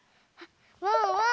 ワンワーン